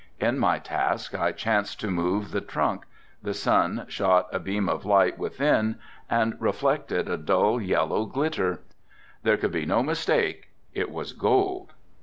In my task I chanced to move the trunk, the sun shot a beam of light within and reflected a dull, yellow glitter. There could be no mistake, it was gold.